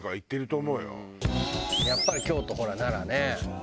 やっぱり京都ほら奈良ね。